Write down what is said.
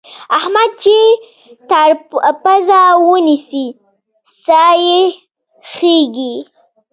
احمد چې تر پزه ونيسې؛ سا يې خېږي.